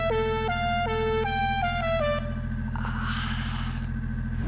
ああ。